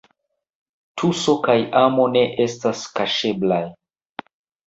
Tuso kaj amo ne estas kaŝeblaj.